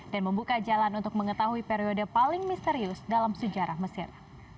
dan membuka jalan untuk mengetahui periode paling misterius dalam sejarah mesir